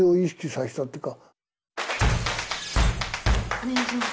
お願いします。